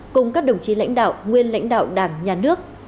cùng các đồng chí lãnh đạo nguyên lãnh đạo đảng nhà nước